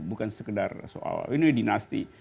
bukan sekedar soal ini dinasti